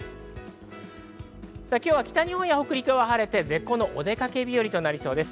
今日は北日本や北陸は晴れて絶好のお出かけ日和となりそうです。